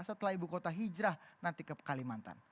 setelah ibu kota hijrah nanti ke kalimantan